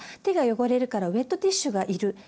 手が汚れるからウェットティッシュがいる。